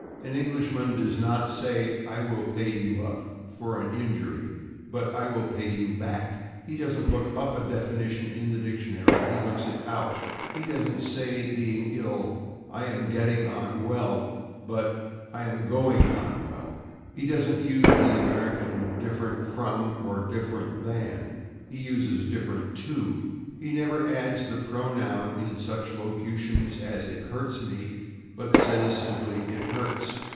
An Englishman does not say "I will pay you /up/" for an injury, but "I will pay you /back/." He doesn't look /up/ a definition in a dictionary; he looks it /out/. He doesn't say, being ill, "I am /getting/ on well," but [Pg115] "I am /going/ on well." He doesn't use the American "different /from/" or "different /than/"; he uses "different /to/." He never adds the pronoun in such locutions as "it hurts /me/," but says simply "it hurts."